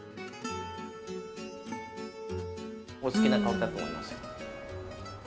お好きな香りだと思いますよ。